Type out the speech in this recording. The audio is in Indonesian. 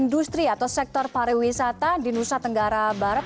industri atau sektor pariwisata di nusa tenggara barat